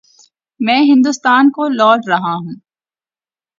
میں ہندوستان کو لوٹ رہا ہوں۔